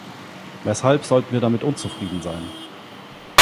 Weshalb sollten wir damit unzufrieden sein?